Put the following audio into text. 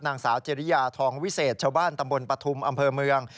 นางสาวเจริยาทองวิเศษชาวบ้านตำบลปฐุมอำเภอเมือง